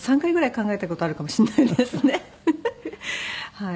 はい。